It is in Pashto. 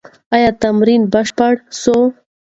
ایا تمرین بشپړ سوی؟